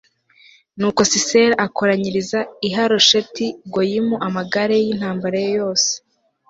nuko sisera akoranyiriza i harosheti goyimu amagare ye y'intambara yose